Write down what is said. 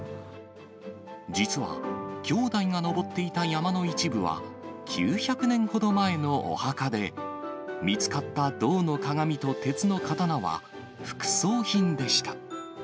実は、兄弟が登っていた山の一部は、９００年ほど前のお墓で、見つかった銅の鏡と鉄の刀は副葬品でした。